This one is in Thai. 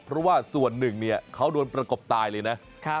เพราะว่าส่วนหนึ่งเนี่ยเขาโดนประกบตายเลยนะ